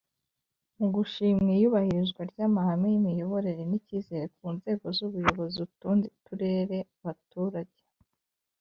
mu gushima iyubahirizwa ry amahame y imiyoborere n icyizere ku nzego z ubuyobozi utundi turere abaturage